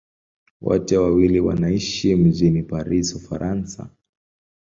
Wote wawili wanaishi mjini Paris, Ufaransa.